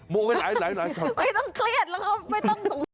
โมงให้หลายช็อตไปไม่ต้องเครียดไม่ต้องส่ง